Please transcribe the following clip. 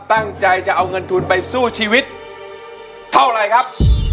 ตั้งใจจะเอาเงินทุนไปสู้ชีวิตเท่าไรครับ